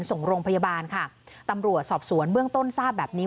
ส่งโรงพยาบาลค่ะตำรวจสอบสวนเบื้องต้นทราบแบบนี้